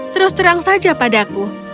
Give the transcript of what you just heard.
terus terang saja padaku